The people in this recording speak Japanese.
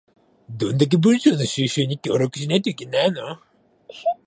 どんだけ文書の収集に協力しないといけないの